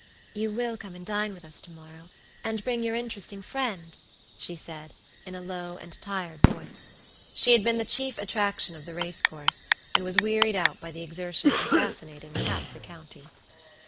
"You will come and dine with us to morrow, and bring your interesting friend?" she said, in a low and tired voice. She had been the chief attraction of the race course, and was wearied out by the exertion of fascinating half the county.